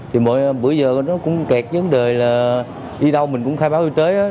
thì bữa giờ nó cũng kẹt vấn đề là đi đâu mình cũng khai báo y tế